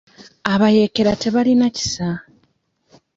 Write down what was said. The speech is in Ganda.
Abayeekera tebalina kisa.